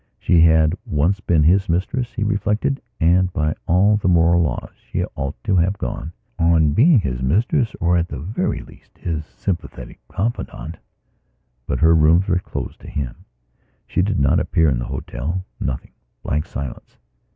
She had once been his mistress, he reflected, and by all the moral laws she ought to have gone on being his mistress or at the very least his sympathetic confidante. But her rooms were closed to him; she did not appear in the hotel. Nothing: blank silence.